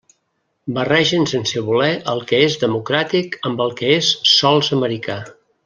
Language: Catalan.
Barregen sense voler el que és democràtic amb el que és sols americà.